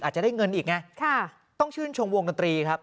อาจจะได้เงินอีกไงต้องชื่นชมวงดนตรีครับ